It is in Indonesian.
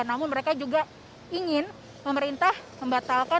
namun mereka juga ingin pemerintah membatalkan